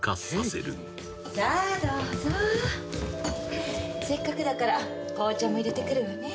「せっかくだから紅茶も入れてくるわね」